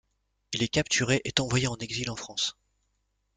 Il est capturé et envoyé en exil en France.